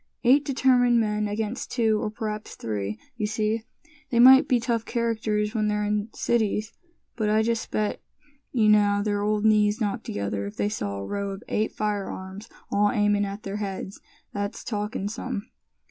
"Eight determined men against two, or p'raps three, you see. They may be tough characters, when they're in cities, but I just bet you now their old knees knock together if they saw a row of eight firearms all aimin' at their heads. That's talkin' some."